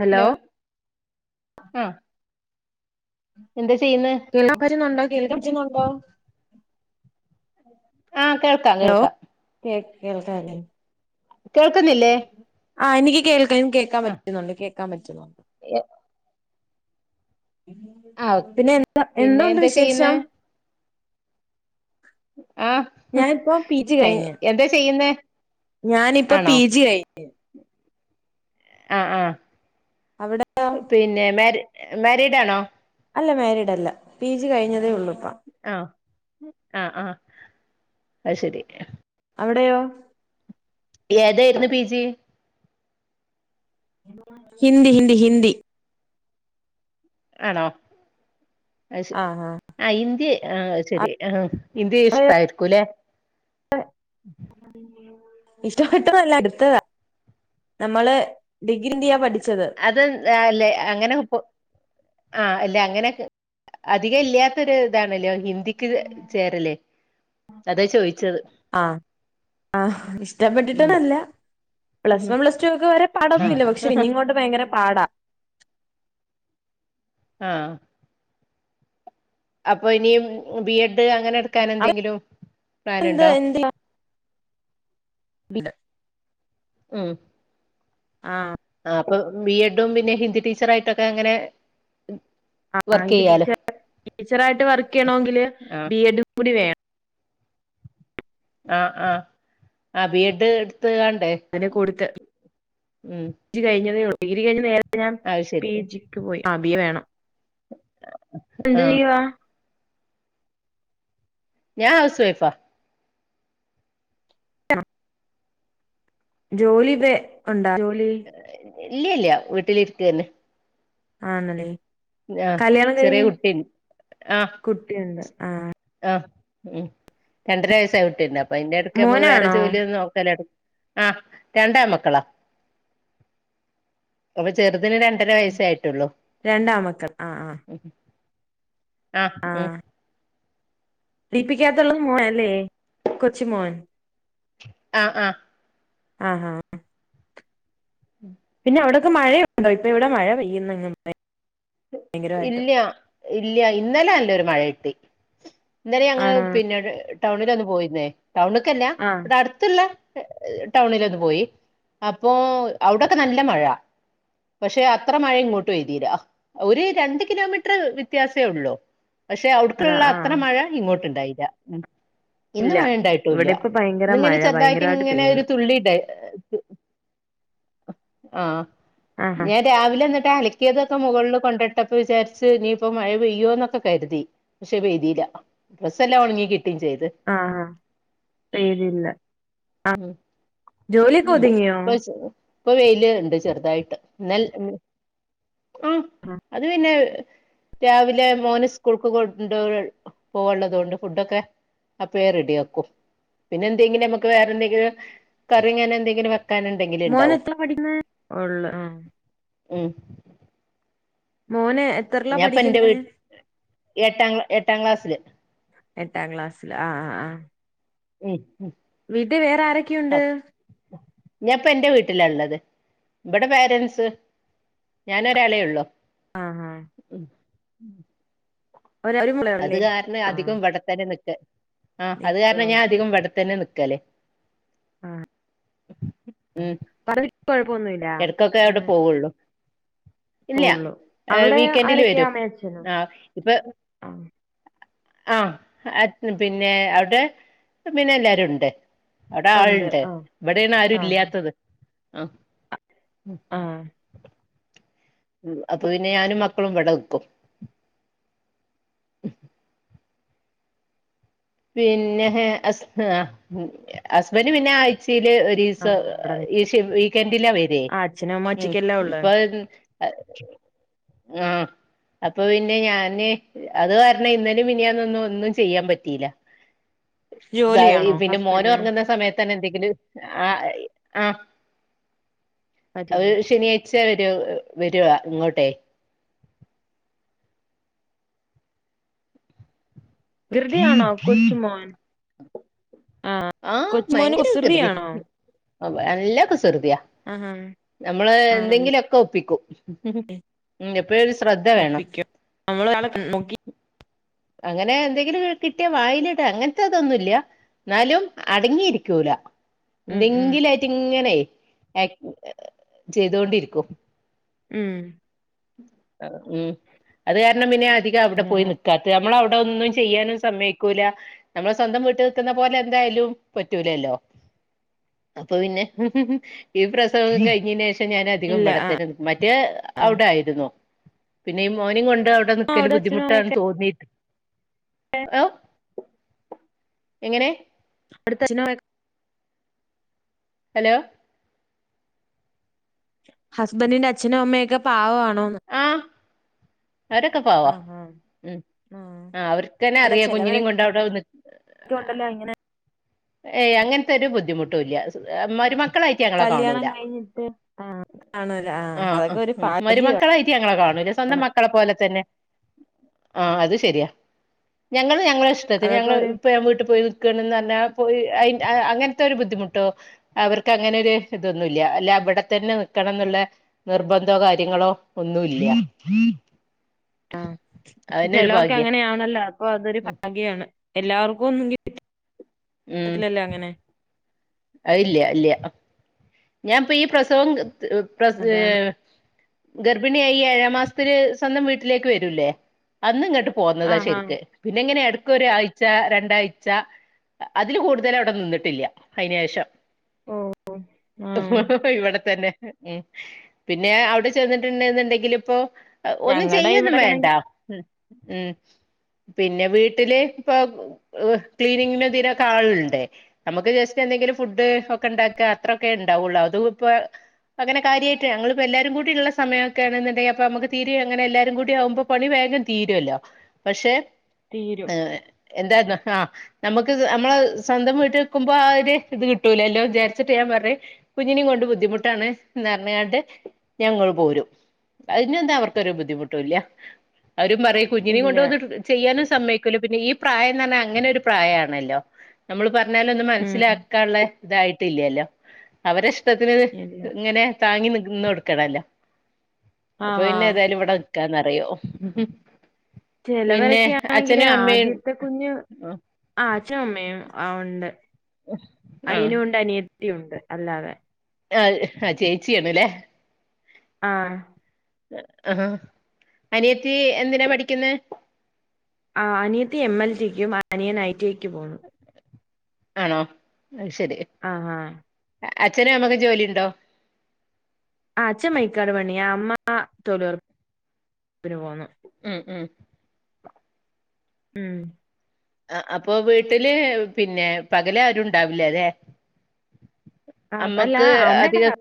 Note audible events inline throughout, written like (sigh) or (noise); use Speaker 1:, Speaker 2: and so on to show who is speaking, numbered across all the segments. Speaker 1: Hello
Speaker 2: ആഹ
Speaker 1: കേൾക്കാം പറ്റ്ന്നുണ്ടോ കേൾക്കാം പറ്റ്ന്നുണ്ടോ?
Speaker 2: ആഹ കേൾക്കാം കേൾക്കാം
Speaker 1: കേൾക്ക
Speaker 2: കേൾക്കുന്നില്ലേ
Speaker 1: ആഹ് എനിക്ക് കേൾക്കാം. കേക്കാം പറ്റുന്നുണ്ട് കേക്കാം പറ്റുന്നുണ്ട്.
Speaker 2: ആഹ് ആഹ്
Speaker 1: പിന്നെ എന്താ
Speaker 2: പിന്നെ
Speaker 1: എന്തണ്ട്
Speaker 2: എന്താ ചെയ്യുന്നെ
Speaker 1: വിശേഷം
Speaker 2: ആഹ്
Speaker 1: ഞാനിപ്പോ പി ജി
Speaker 2: എഹ്
Speaker 1: കഴിഞ്ഞ്
Speaker 2: എന്താ ചെയ്യുന്നേ?
Speaker 1: ഞാനിപ്പോ പി ജി കഴിഞ്ഞ്.
Speaker 2: ആഹ് ആഹ്
Speaker 1: അവിടെയോ
Speaker 2: പിന്നെ മെരീ മെരിഡാണോ?
Speaker 1: അല്ല മാരിഡ് അല്ല പി ജി കഴിഞ്ഞതേ ഉള്ളൂ ഇപ്പ
Speaker 2: ആഹ് ആഹ് ആഹ് അയ് ശെരി.
Speaker 1: അവടെയോ?
Speaker 2: ഏതേയ്ര്ന്നു പി ജി?
Speaker 1: ഹിന്ദി ഹിന്ദി ഹിന്ദി
Speaker 2: ആണോ
Speaker 1: ആഹ് ആഹ്
Speaker 2: ആ ഇന്ത്യ ആഹ ശരി ആഹ ഇന്ത് ഇഷ്ടായിരിക്കൂല്ലേ
Speaker 1: (unintelligible) ഇഷ്ടപ്പെെട്ടതല്ല അടുത്തതാ നമ്മള് ഇന്ത്യയാ പഠിച്ചത്
Speaker 2: അത് ന്താല്ലേ അങ്ങനെ പൊ ആഹ് ല്ല അങ്ങനെ ക് അധികെല്ല്യാത്തൊര് ഇതാണ്ല്ലെ ഓ ഹിന്ദിക്ക് ചേരല്ലേ.
Speaker 1: ആഹ ആ
Speaker 2: ഉം
Speaker 1: ഇഷ്ടപ്പെട്ടിട്ടണല്ല
Speaker 2: ഉം
Speaker 1: പ്ലസ് വൺ പ്ലസ്ടൊക്കെ വെരെ
Speaker 2: ആഹ്
Speaker 1: പാടൊന്നുല്ല പക്ഷെ പിന്നിങ്ങോട്ട് ഭയങ്കര പാടാ.
Speaker 2: ആഹ് അപ്പൊ ഇനിയും ബി എഡ് അങ്ങനെ ട്ക്കാനെന്തെങ്കിലും
Speaker 1: എന്ത്
Speaker 2: പ്ലന്ണ്ടോ?
Speaker 1: എന്ത് പില
Speaker 2: ഉം
Speaker 1: ആഹ
Speaker 2: ആ അപ്പൊ ബി എഡും പിന്നെ ഹിന്ദി ടീച്ചറായിട്ടൊക്കെ അങ്ങനെ വർക്ക്
Speaker 1: ആന്റെ
Speaker 2: ചെയ്യാലോ
Speaker 1: ടീച്ചർ ടീച്ചറ ആായിട്ട് വർക്ക് ചെയ്യണമെങ്കില്
Speaker 2: ആഹ്
Speaker 1: ബി എഡ കൂടി വേണം
Speaker 2: ആ ആഹ ആ വീട്
Speaker 1: അങ്ങനെ കൊടുത്ത്.
Speaker 2: ഉം
Speaker 1: റ്റ് കഴിഞ്ഞതേ ഉള്ളൂ ഡിഗ്രി കഴിഞ്ഞഞ് നേരരെ ഞാ
Speaker 2: അത്
Speaker 1: പി
Speaker 2: ശരി
Speaker 1: ജിക്ക് പോയി ആ ബിയ വേണം എന്ത്
Speaker 2: ആഹ്
Speaker 1: ചെയിവാ
Speaker 2: ഞാൻ ഹൗസ് വൈഫാ.
Speaker 1: ജോലി വെ ഒണ്ടാ ജോലി
Speaker 2: ഇല്ല്യഇല്ല്യ വീട്ടിലിരിക്ക തന്നെ
Speaker 1: ആന്നല്ലേ കല്യാണം
Speaker 2: ചെറിയ
Speaker 1: കഴിഞ്ഞു
Speaker 2: കുട്ടി
Speaker 1: കുട്ടിഉണ്ട്
Speaker 2: ആ് ഉം രണ്ടര വയസ്സായി കുട്ടിണ്ട് അപ്പൊ അതിന്റെ ഇടയ്ക്ക് നമുക്ക് വേറെ
Speaker 1: മോനാണോ
Speaker 2: ജോലിയൊന്നും നോക്കലോട ആഹ് രണ്ടാൺമക്കളാ അപ്പൊ ചെറുതിന് രണ്ടര വയസ്സായിട്ടു
Speaker 1: രണ്ടാമക്കൾ ആ ആ
Speaker 2: ആഹ് ഉഹ
Speaker 1: ലിപിക്കാത്തുള്ളത് മോൻല്ലേ കൊച് മോൻ
Speaker 2: ആഹ ആഹ
Speaker 1: ആഹ് ഹഹ് പിന്നെ അവിടൊക്കെ മഴയുണ്ടോ ഇപ്പൊ ഇവിടെ മഴ പെയ്യുന്നങ്ങ ഭയങ്കരമായിട്ട്
Speaker 2: ഇല്ല ഇല്ല ഇന്നലെ അല്ല ഒരു മഴ കിട്ടി ഇന്നലെ ഞങ്ങള്
Speaker 1: ആണോ
Speaker 2: പിന്നെട് ടൗണില ഒന്ന് പോയിരുന്നേ ടൗണക്കല്ലയാ
Speaker 1: ആഹ്
Speaker 2: ഇവിടെ അടുത്ത്ല്ല ടൗണിലൊന്ന് പോയി അപ്പോ അവിടൊക്കെ നല്ല മഴ പക്ഷെ അത്ര മഴ ഇങ്ങോട്ട് പഴുതിയിലാ ഒരു രണ്ട് കിലോമീറ്റർ വ്യത്യാസമേ ഉള്ളൂ പക്ഷെ
Speaker 1: അതാ
Speaker 2: അടുക്കുള്ള അത്ര
Speaker 1: ആഹ്
Speaker 2: മഴ ഇങ്ങോട്ട് ഉണ്ടായില്ല ഉ ഇന്ന്
Speaker 1: ഇല്ല
Speaker 2: മയ ഉണ്ടായിട്ടുംല്ല
Speaker 1: ഇവിടെ ഇപ്പൊ ഭയങ്കര
Speaker 2: ഇന്നിങ്ങനെ
Speaker 1: മഴ
Speaker 2: ചെറുതായിട്ട്
Speaker 1: ഭയങ്കരമായിട്ട്
Speaker 2: ഇങ്ങനെ ഒരു
Speaker 1: പെയ്യുന്നു
Speaker 2: തുള്ളിണ്ട ആഹ
Speaker 1: ആഹാ
Speaker 2: ഞാൻ രാവിലെ മ അലക്കിയതൊക്കെ മുകളിൽ കൊണ്ടിട്ടപ്പോ വിചാരിച്ച് ഇനിയിപ്പോ മഴ പെയ്യോന്നൊക്കെ കരുതി പക്ഷെ പെയ്തില്ല ഡ്രസ്സ് എല്ലാം ഉണങ്ങികി
Speaker 1: ആഹ ആ പെയ്തില്ല
Speaker 2: ഉം
Speaker 1: ജോലി
Speaker 2: ഉം
Speaker 1: കോതിങ്ങിയോ
Speaker 2: ഇപ്പൊ ഇപ്പൊ വെയില്ണ്ട് ചെറുതായിട്ട് എന്നൽ ആഹ
Speaker 1: ആഹാ.
Speaker 2: അത് പിന്നെ രാവിലെ മോന് സ്കൂൾക്ക് കൊണ്ട് പോവുള്ളത് കൊണ്ട് ഫുഡൊക്കെ അപ്പ റെഡിയ ആക്കും പിന്നെ എന്തെങ്കിലും നമ്മുക്ക് വേറെന്തെങ്കിലും കറിങ്ങനെ എന്തെങ്കിലും ക്കാനുണ്ടെങ്കിലും ഉണ്ടാവും
Speaker 1: പഠുന്ന ഉള്ള ആ
Speaker 2: ഉഏ
Speaker 1: മോനെ
Speaker 2: ഞാപ്പൊ എന്റെ വീട്ട എട്ടാം ക് എട്ടാം ക്ലാസ്സില്
Speaker 1: എട്ടാം ക്ളാസ്സില് ആ ആ് ആഹ
Speaker 2: ഉം
Speaker 1: വീട്ടിൽ വേറെ ആരൊക്കെയുണ്ട്
Speaker 2: ഞാപ്പൊ എന്റെ വീട്ടിലാള്ളത് ഇവിടെ പേരൻറ്സ് ഞൻ ഒരാളെ ഉള്ളു
Speaker 1: ആഹാ
Speaker 2: ഉ
Speaker 1: ഒരു ഒരു
Speaker 2: അത്
Speaker 1: മോളല്ലേ
Speaker 2: കാരണം
Speaker 1: ആ
Speaker 2: അധികം ഇവിടെത്തന്നെ ന ആഹ അത് കാരണം
Speaker 1: ഇപ്പം
Speaker 2: ഞാൻ അധികം വടത്തന്നെ നിക്കല്
Speaker 1: ആഹ
Speaker 2: ഉം
Speaker 1: പറഞ്ഞി കൊഴപ്പൊന്നുമല്ല
Speaker 2: എടക്കൊക്കെ അവിടെ പോവുള്ളു ഇല്ല ഏർ വീക്കെൻഡില്
Speaker 1: ആരൊക്കെയാ
Speaker 2: വരും
Speaker 1: അമ്മയും അച്ഛനും
Speaker 2: ആ് ഇപ്പൊ
Speaker 1: ആ
Speaker 2: ആഹ പിന്നെ അവിടെ പിന്നെ എല്ലാരും ഉണ്ട് അവിടെ
Speaker 1: ഉണ്ട്
Speaker 2: ആളുണ്ട്
Speaker 1: ആ
Speaker 2: ഇവിടെയാണ് ആരും
Speaker 1: ആഹാ
Speaker 2: ഇല്ലാത്തത് ആ ഉം
Speaker 1: ആ
Speaker 2: ഉ അപ്പൊ പിന്നെ ഞാനും മക്കളും ഇവിടെ നിക്കും
Speaker 1: (unintelligible)
Speaker 2: പിന്നെ ഹസ്ബന്ഡ് പിന്നെ അ ഒരു
Speaker 1: ആ ആ, അവിടെ
Speaker 2: ഈ
Speaker 1: നിൽക്കും
Speaker 2: വീക്കെൻഡിലാ വരെ
Speaker 1: ആ അച്ഛനും അമ്മ
Speaker 2: ഉ
Speaker 1: ഒറ്റയ്ക്കല്ലേ ഉള്ളു
Speaker 2: ഇപ്പൊ അ ആഹ അപ്പൊ പിന്നെ ഞാന് അത് കാരണം ഇന്നലേം മിനിഞാന്നു ഒന്നു ഒന്നും ചെയ്യാൻ പറ്റിയില്ല സായി
Speaker 1: ജോലിയാണോ
Speaker 2: പിന്നെ മോന്
Speaker 1: ഹസ്ബൻഡ്
Speaker 2: ഉറങ്ങുന്ന സമയ ത്താണ് എന്തെങ്കിലും ആഹ് ഈ ആഹ് അത്
Speaker 1: അതില്ല
Speaker 2: ശനിയാഴ് ച്ചഅവരു വരുവ ഇങ്ങോട്ടെ
Speaker 1: വികൃതിആണോ കൊച്ച്മോൻ
Speaker 2: ആഹ് ഭയങ്കര വികൃതി ഏഹ് വെ നല്ല കുസൃതിയാ
Speaker 1: ആഹാ
Speaker 2: നമ്മള്
Speaker 1: ആണല്ലേ
Speaker 2: എന്തെങ്കിലുഓക്കെ ഒപ്പിക്കും ഉം എപ്പോഴ് ഒരു ശ്രദ്ധ വേണം
Speaker 1: നമ്മൾ ഒരാള് നോക്കി
Speaker 2: അങ്ങനെ എന്തെങ്കിലും കിട്ടിയ വായിലിട അങ്ങനത്തെതൊന്നുഇല്ല എന്നാലും അടങ്ങിയിരിക്കൂല
Speaker 1: ഉം ഉം
Speaker 2: എന്തെങ്കിലായിട്ട് ഇങ്ങനെ അക് ചെയ്തൊണ്ടിരിക്കും
Speaker 1: ഉം
Speaker 2: ആഹ് ഉം അത് കാരണം പിന്നെ അധികം അവിടെ
Speaker 1: അതെ
Speaker 2: പോയി നിക്കാത്തെ നമ്മളവി ടെ ഒന്നും ചെയ്യാനും സമ്മയ്ക്കൂല്ല നമ്മളെ സ്വന്തം വിട്ട് നിൽക്കുന്ന പോലെ എന്തായാലും പറ്റൂലല്ലോ അപ്പൊ പിന്നെ ഈ പ്രസവം കഴിഞ്ഞേനെഷം ഇപ്പം ഞാധികം
Speaker 1: ഇല്ല
Speaker 2: ഇവിട
Speaker 1: ആ
Speaker 2: തന്നെ നിക്കും മറ്റേ
Speaker 1: ആ
Speaker 2: അവിട ആയിരുന്നു പിന്നെഈ മോനെ കൊ ത് അവിടെ
Speaker 1: ആ
Speaker 2: നിക്കല്
Speaker 1: അച്ഛനും
Speaker 2: ബുദ്ധിമുട്ടാണന്ന്
Speaker 1: അമ്മയൊക്കെ
Speaker 2: തോന്നീട്ട് (unintelligible) എങ്ങനെ
Speaker 1: അടുത്ത (unintelligible)
Speaker 2: ഹലോ
Speaker 1: ഹസ്ബൻഡിന്റ അച്ഛനും അമ്മയൊക്കെ പാവം ആണോന്ന്
Speaker 2: ആഹ് അവരൊക്കെ പാവാ ഉം
Speaker 1: ആ
Speaker 2: ആഹ് അവർക്ക്ന്നെ അറിയാം കുഞ്ഞിനേം കൊണ്ടവിടെ നി
Speaker 1: ക്കൊണ്ടല്ലോ ഇങ്ങനെ
Speaker 2: ഏയ് അങ്ങനത്തെ ഒരു ബുദ്ധിമുട്ടുല്ല്യാ അഹ് ഒരു മ ക്കളായിട്ട് ഞങ്ങളെ
Speaker 1: കല്യാണം
Speaker 2: കാണൂല്ല
Speaker 1: കഴിഞ്ഞിട്ട് ആ കാണൂല ആ
Speaker 2: ആഹ്
Speaker 1: അതൊക്കെ ഒരു
Speaker 2: അഹ്
Speaker 1: ഭാഗ്യമാണ്
Speaker 2: മരുമക്കളായിട്ട് ഞങ്ങളെ കാ ണും സ്വന്തം മക്കളെ പോലെ തന്നെ ആഹ് അത് ശരിയാ ഞങ്ങള് ഞങ്ങള ഇഷ്ടത്തിന്
Speaker 1: അതൊക്കെ
Speaker 2: ഞങ്ങള്
Speaker 1: ഒരു
Speaker 2: ഇപ്പഞാൻ വീട്ടി പോയി നിക്കാണെന്ന് പറഞ്ഞ പോയി അയ്ന്റ് അഹ് അങ്ങനത്തൊരു ബുദ്ധിമുട്ടോ അവർക്ക് അങ്ങനെ ഒരു ഇതൊന്നുവില്ല ഇല്ല ഇവിടെത്തന്നെ നി ക്കണോന്നിള്ള നിർബന്ധോ കാര്യങ്ങളോ ഒന്നു ഇല്ല
Speaker 1: ആഹ് ഇപ്പ ചിലോർക്ക്
Speaker 2: ഭാഗ്യ
Speaker 1: അങ്ങനെയാണല്ലോ അപ്പൊ അതൊരു
Speaker 2: ഉം
Speaker 1: ഭാഗ്യാണ്. എല്ലാവർക്കും ഒന്നും കിട്ടി കിട്ടില്ലല്ലോ അങ്ങനെ
Speaker 2: അയില്ല്യ ഇല്ല്യ ഞാൻ ഇപ്പ ഈ പ്രസവം പ്രസ്
Speaker 1: അതാണ്
Speaker 2: ഏഹ് ഗർഭിണിയായി ഈ ഏഴാമ്മാസത്തില് സ്വന്തം വീട്ടിലേക്ക് വരൂല്ലേ അന്ന് ഇങ്ങട്ട് പോന്നതാ
Speaker 1: ആഹാ
Speaker 2: ശരിക്ക് പിന്നെ ഇങ്ങനെ എട ക്കൊരാഴ്ച്ച രണ്ടാഴ്ച്ച അതില് കൂടുതൽ അവിടെ നിന്നിട്ടില്ല അതിന് ശേഷം.
Speaker 1: ഓഹ് ഹോ
Speaker 2: ഇവിടെ തന്നെ ഉം പിന്നേ അവിടെ ചെന്നിട്ടിണ്ടേന്നിണ്ടെങ്കില് ഇപ്പോ അഹ് ഒന്നും
Speaker 1: ഞങ്ങടെ
Speaker 2: ചെയ്യൊന്നും വേണ്ട
Speaker 1: ഇവിടെയാണെങ്കി
Speaker 2: ഉം ഉം പിന്നെ വീട്ടില് ഇപ്പൊ ഇഹ് ക്ലീനിങ്ങിന് ഇതിനൊക്കെ ആളിണ്ടേ നമുക്ക് ജസ്റ്റ് എന്തെങ്കിലും ഫുഡ് ഒക്കെ ഇണ്ടാക്കാ അത്രൊക്കെ ഇണ്ടാവൊള്ളൂ അതും ഇപ്പ അങ്ങനെ കാര്യട്ട് ഞങ്ങളിപ്പോ എല്ലാരും കൂടിയുള്ള സമയമയൊക്കെയാണന്നുണ്ടെങ്കി അപ്പ നമുക്ക്‌ തീരി (unintelligible) യും അങ്ങന എല്ലാരും കൂടി ആകുമ്പോ പണി- തീരുമല്ലോ പക്ഷെ
Speaker 1: തീരും.
Speaker 2: എന്തായിന്ന- ആഹ് നമുക്ക് നമ്മളെ സ്വന്തംവീട്ടി നിക്കുമ്പോ ആ ഒരു ഇത്‌ കിട്ടൂലല്ലോന്ന് വിചാരിച്ചിട്ട് ഞാൻ പറഞ് - കുഞ്ഞിനും കൊണ്ട് ബുദ്ധിമുട്ടാണ് എന്ന് പറഞ്ഞാണ്ട് ഞങ്ങള് പോരും അതിനെന്താ അവർക്കൊരു ബുദ്ധിമുട്ടും ഇല്ല്യ അവരും പറയും കുഞ്ഞിനെ
Speaker 1: ഇല്ല.
Speaker 2: കൊണ്ടും വന്നിട്ട് ചെയ്യാനും സമ്മയിക്കുല പിന്നെ ഈ- പ്രായംന്ന് പറഞ്ഞാൽ അങ്ങനെ ഒരു പ്രായമാണല്ലോ നമ്മള് പറഞ്ഞാലൊന്നും
Speaker 1: ഉം.
Speaker 2: മനസ്സിലാക്കാനുള്ള- ഇതായിട്ടില്ലല്ലോ അവരെ ഇഷ്ടത്തിന്
Speaker 1: ഇല്ല.
Speaker 2: ഇങ്ങനെ താങ്ങി നി - ഇന്ന് കൊടുക്കണല്ലോ അപ്പൊ
Speaker 1: ആഹാ.
Speaker 2: പിന്നെ ഏതായാലും ഇവിടെ നിക്കാന്ന്റിയോ
Speaker 1: ചെലവരൊക്കെ ആണെങ്കില് ആദ്യത്തെ കുഞ്ഞ്, ആഛൻ അമ്മയും ആ ഉണ്ട്
Speaker 2: ആഹ
Speaker 1: അനിയനും ഉണ്ട് ഉണ്ട് അല്ലാതെ
Speaker 2: ആഹ ആ ചേച്ചിയാണല്ലേ
Speaker 1: ആഹ
Speaker 2: ആ അനിയത്തി എന്തിനാ പഠിക്കുന്ന
Speaker 1: അനിയത്തി എംഎൽടിക്കും അനിയൻ ഐടിക്കു പോന്നു
Speaker 2: ആണോ
Speaker 1: ആഹ ആഹ
Speaker 2: അച്ഛന നമ്മക്ക് ജോലിുണ്ടോ
Speaker 1: ആ അച്ഛൻ മൈക്കാട് പണി അമ്മ തൊഴിലുറപ്പ് പോന്നു
Speaker 2: ഉം ഉം
Speaker 1: ഉം
Speaker 2: ആ അപ്പൊ വീട്ടില് പിന്നെ പകല ആരുണ്ടാവില്ലേ ഇല്ലേ
Speaker 1: ആഹ് അല്ല
Speaker 2: അമ്മക്ക്
Speaker 1: അമ്മയുടെ
Speaker 2: അധിക-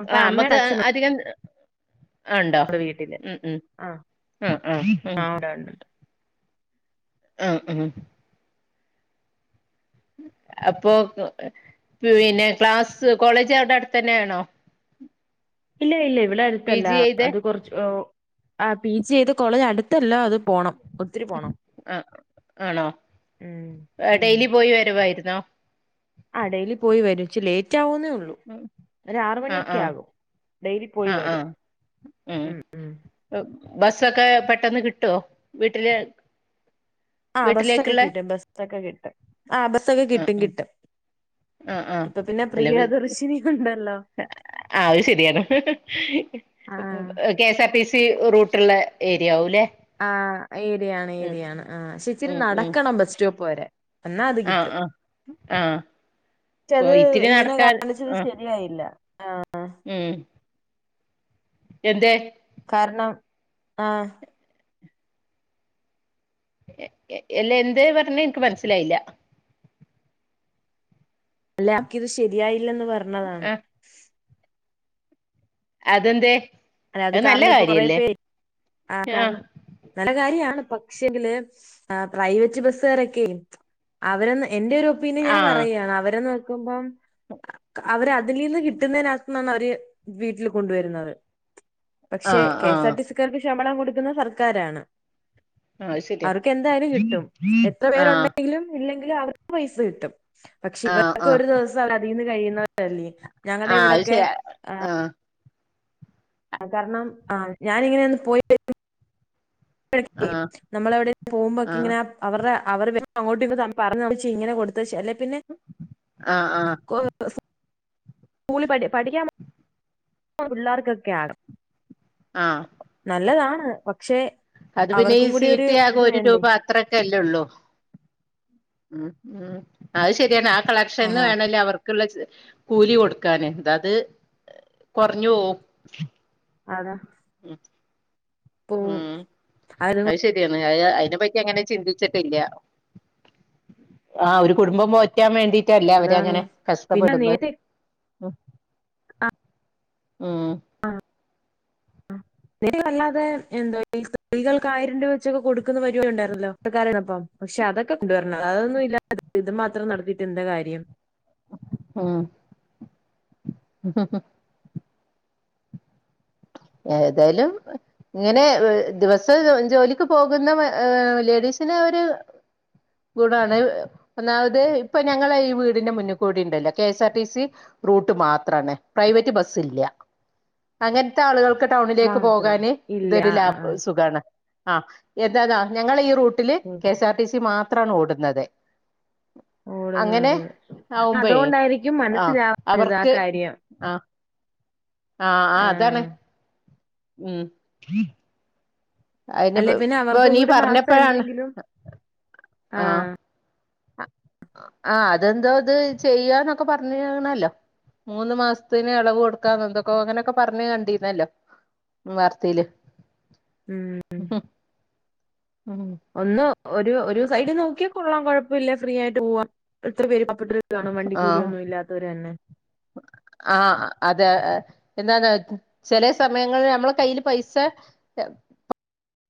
Speaker 1: അപ്പ
Speaker 2: ആ നമ്മുക്ക്
Speaker 1: അമ്മയുടെ അച്ഛനുണ്ട്
Speaker 2: അധികം ഉണ്ടോ
Speaker 1: വീട്ടില്.
Speaker 2: ഉം ഉം
Speaker 1: ആഹ്.
Speaker 2: ആ ആ ഉ
Speaker 1: ആഹ് ഉണ്ട് ഉണ്ട്.
Speaker 2: ആഹ ആഹ് അപ്പൊ പിന്നെ ക്ലാസ് കോളേജ് അവരുടെ അടുത്ത് തന്നെ ആണോ
Speaker 1: (inaudible) ഇല്ല ഇല്ല ഇവിടെ
Speaker 2: പി
Speaker 1: അടുത്തല്ല
Speaker 2: ജി ചെയ്തെ
Speaker 1: അത് കുറച്ച് ആ പി ജി ചെയ്ത് കോളേജ് അടു- ഇതല്ല അത് പോണം ഒത്തിരി പോണം
Speaker 2: ആ ആണോ
Speaker 1: ഉം
Speaker 2: ഡെയിലി പോയി വരുവായിരുന്നോ
Speaker 1: ആടെയിലി പോയി വരുച്ചച്ച് ലേറ്റ് ആവുന്നേ ഉള്ളൂ ഒ ആറ
Speaker 2: ആ
Speaker 1: മണിയൊക്കെ
Speaker 2: ആ
Speaker 1: ആകും ടയിലി പോയി
Speaker 2: ആ ആ
Speaker 1: വരും ഉം ഉ
Speaker 2: ബസ്സൊക്കെ പെട്ടന്ന് കിട്ടുവോ വീട്ടില്
Speaker 1: ആഹ് ബസ്സൊക്കെ
Speaker 2: വീട്ടിലേക്കുള്ള
Speaker 1: കിട്ടും ബസ്സൊക്കെ കിട്ടും ആ ബസ്സൊക്കെ
Speaker 2: ആ
Speaker 1: കിട്ടും കിട്ടും
Speaker 2: ആ ആ
Speaker 1: ഇപ്പൊ പിന്നെ
Speaker 2: അല്ല
Speaker 1: പ്രിയദർശിനി ഉണ്ടല്ലോ
Speaker 2: ആ അത് ശരിയാണ്
Speaker 1: ആ
Speaker 2: കെഎസ് ആർടി സ- സി റൂട്ടുള്ള ഏരിയ ആകും അല്ലേ
Speaker 1: ആ ഏരിയാണ് ഏരിയാണ് ആച്ചിരി നടക്കണം ബസ് സ്റ്റോപ്പ് വരെ എന്നാ അത്
Speaker 2: ആഹ
Speaker 1: കിട്ടും
Speaker 2: ആഹ ആഹ
Speaker 1: പക്ഷെ
Speaker 2: ഇപ്പൊ
Speaker 1: അത്
Speaker 2: ഇത്തിരി
Speaker 1: ഇങ്ങനെ
Speaker 2: നടക്കാൻ
Speaker 1: കാണിച്ചത്
Speaker 2: ആ
Speaker 1: ശരിയായില്ല
Speaker 2: ഉം എന്തെ
Speaker 1: കാരണം ആഹ
Speaker 2: എല്ല എന്ത് പറഞ്ഞ എനിക്ക് മനസ്സിലായില്ല
Speaker 1: ഇല്ല അവൾക്കു ഇത്‌ ശരിയായില്ലന്ന് പറഞ്ഞതാണ്
Speaker 2: അതെന്തെ
Speaker 1: അല്ലെ അത് കാരണം ഇപ്പൊ കൊറെ പേര് ആഹ
Speaker 2: ആഹ്
Speaker 1: കാരണം നല്ല കാര്യാണ് പക്ഷ പ്രൈവറ്റ് ബസസ് കാരൊക്കെ അവ- എന്റെറെ ഒരു ഒപ്പീനിയൻ ഞാൻ
Speaker 2: ആഹ്
Speaker 1: പറയാണ് അവരെ- അവര് അതിൽ നിന്ന് കിട്ടുന്നതിനകത്ത്ണ് അവര് വീട്ടിൽ കൊണ്ടുവരുന്നത് പക്ഷെ
Speaker 2: ആഹ്
Speaker 1: കെഎസ്
Speaker 2: ആഹ്
Speaker 1: ആർടി സിക്കാർക്ക് ശമ്പളം കൊടുക്കുന്ന സർക്കാരാണ്
Speaker 2: ആഹ് അത് ശരിയാ
Speaker 1: അവർക്ക് എന്തായാലും കിട്ടും എത്ര
Speaker 2: ആഹ്
Speaker 1: പേരുണ്ടെങ്കിലും ഇല്ലെങ്കിലും അവർക്ക് പൈസ കിട്ടും പക്ഷെ
Speaker 2: ആഹ്
Speaker 1: ഇവർക്ക്
Speaker 2: ആഹ്
Speaker 1: ഒരു ദിവസം ആണ് അതിന്നു കഴിയുന്ന ഞങ്ങളുടെ
Speaker 2: ആഹ് അത്
Speaker 1: ഇവിടൊക്കെ
Speaker 2: ശരിയാ
Speaker 1: ആ-
Speaker 2: ആഹ്
Speaker 1: കാരണം ആ ഞാാനിങ്ങനെന്ന് പോയി വരും (unintelligible)
Speaker 2: ആഹ്
Speaker 1: നമ്മള എവിടെ പോകുമ്പോക്കെ
Speaker 2: ആഹ്
Speaker 1: ഇങ്ങനെ അവരുടെ (unintelligible) അല്ലഗിൽ പിന്നെ
Speaker 2: ആഹ് ആഹ്
Speaker 1: (unintelligible) സ്കൂളിൽ പഠി പഠിക്കാൻ പോകുന്ന പിള്ളേർക്കൊക്കെ ആണ്
Speaker 2: ആ
Speaker 1: നല്ലതാണ് പക്ഷേ
Speaker 2: അത് പിന്നെ ഈ സീറ്റ് ആകെ ഒരു രൂപ അത്രക്കെല്ലേ ഉള്ളൂ ഉം ഉം അത് ശരിയാണ് ആ കളക്ഷൻന്ന്
Speaker 1: ആഹ്
Speaker 2: വേണമല്ലേ അവർക്കുള്ള ചി കൂലി കൊടുക്കാന് അതാത് കുറഞ്ഞു പോവും
Speaker 1: അതെ
Speaker 2: ഉം ഉം അത് ശരിയ അതിനെ പറ്റി അങ്ങനെ ചിന്തിച്ചിട്ടില്ല ആ ഒരു കുടുംബം പോറ്റാൻ വേണ്ടിട്ടല്ലേ അവര
Speaker 1: അതാണ്
Speaker 2: അങ്ങനെ
Speaker 1: പിന്നെ
Speaker 2: കഷ്ടപ്പെടുന്നത്
Speaker 1: നേരത്തെ
Speaker 2: ഉ ഉ
Speaker 1: വല്ലാതെ എന്തോ ഈ സ്ത്രീകൾക്ക് ആയിരം രൂപ വെച്ചൊക്കെ കൊടുക്കുന്ന പരുപാടി ഉണ്ടായിരുന്ന ല്ലോ കുട്ടക്കാരനപ്പം പക്ഷെ അതൊക്കെ കൊണ്ടുവരണം അതൊന്നുമ ഇല്ല ഇത് മാത്രം നടത്തീട്ട് എന്താ കാര്യം
Speaker 2: ആ ഉമ്മ് ഏതായാലും ഇങ്ങനെ ദിവസം ജോലിക്ക് പോകുന്ന ലേഡീസ് ചില ഒരു ഗുണമാണ് ഒന്നാത് ഇപ്പൊ ഞങ്ങള് ഈ വീടിന്റെ മുന്നിൽ കൂടി ഉണ്ടല്ലോ കെഎസ് ആർ ടിസി റൂട്ട് മാത്രമാണ് പ്രൈവറ്റ് ബസ്സ് ഇല്ല അങ്ങെനെ ത്തെ ആളുകൾക്ക് ടൗണിലേക്ക്
Speaker 1: മാത്ര
Speaker 2: പോകാന്
Speaker 1: ഇല്ല
Speaker 2: ഇതൊരു
Speaker 1: ആ
Speaker 2: ലാഭ
Speaker 1: ആ
Speaker 2: സുഖമാണ് ആ എന്തതാ ഞങ്ങ ഈ റൂട്ടില് K S R T C മാത്രമാണ് ഓടുന്നത്
Speaker 1: ആ
Speaker 2: അങ്ങനെ
Speaker 1: ഓടുന്നത്
Speaker 2: ആവുമ്പഴേ
Speaker 1: അതുകൊണ്ടായിരിക്കും
Speaker 2: ആഹ്
Speaker 1: മനസ്സിലാവാത്തത് ആ
Speaker 2: അവർക്ക്
Speaker 1: കാര്യം
Speaker 2: ആ ആ അതാണ്
Speaker 1: ആഹ്.
Speaker 2: ഉം അയിന്
Speaker 1: അല്ലെ പിന്നെ
Speaker 2: ഇപ്പൊ
Speaker 1: അവർക്കും
Speaker 2: നീ
Speaker 1: കൂടി മാസം
Speaker 2: പറഞ്ഞപ്പഴാണ്
Speaker 1: എന്തെങ്കിലും ആ
Speaker 2: ആ അതെന്തോ ഇത് ചെയ്യാന്നൊക്കെ പറഞ്ഞണല്ലോ മൂന്ന് മാസത്തിന് ഇളവ് കൊടുക്കാന്ന് എന്തൊക്കോ അങ്ങനെയൊക്കെ പറഞ്ഞത് കണ്ടിരുന്നല്ലോ ഉം വാർത്തയില്
Speaker 1: ഉം ഒന്നു ഒരു ഒരു സൈഡ് നോക്കിയാ കൊള്ളാം കൊഴപ്പമില്ല ഫ്രീ ആയിട്ട് പോവാ എത്ര പേര് ഇപ്പെട്ട കാണോ
Speaker 2: ആഹ്
Speaker 1: വണ്ടിക്കൂലിയൊന്നും ഇല്ലാത്തവരെന്നെ
Speaker 2: അത എന്താന്ന് ചെലേ സമയങ്ങളിൽ നമ്മള കയ്യിൽ പൈസ